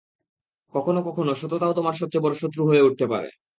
কখনো কখনো, সততাও তোমার সবচেয়ে বড়ো শত্রু হয়ে উঠতে পারে।